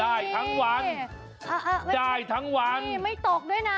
ทั้งวันเจ้าให้ทั้งวันไม่ตกด้วยน่ะ